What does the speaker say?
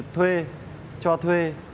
thuê cho thuê